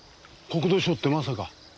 国土省ってまさか！